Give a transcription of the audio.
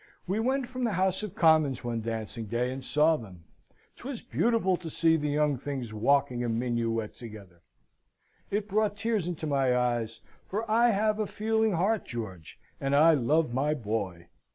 We went from the House of Commons one dancing day and saw them. 'Twas beautiful to see the young things walking a minuet together! It brought tears into my eyes, for I have a feeling heart, George, and I love my boy!"